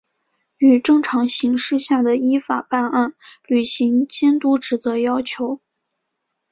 与正常形势下的依法办案、履行监督职责要求